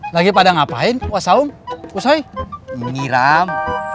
lagi pada ngapain wasaung usai miram